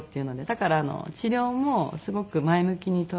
だから治療もすごく前向きに捉えてて。